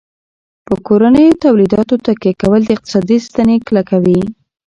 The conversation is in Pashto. په کورنیو تولیداتو تکیه کول د اقتصاد ستنې کلکوي.